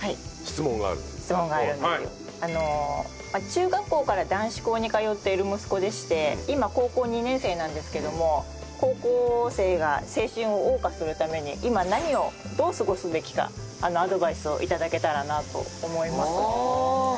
中学校から男子校に通っている息子でして今高校２年生なんですけども高校生が青春を謳歌するために今何をどう過ごすべきかアドバイスを頂けたらなと思います。